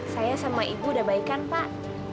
saya sama ibu udah baik kan pak